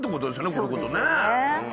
こういうことをね。